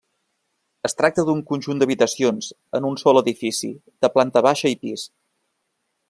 Es tracta d'un conjunt d'habitacions, en un sol edifici, de planta baixa i pis.